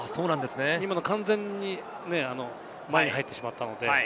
今の完全に前に入ってしまったので。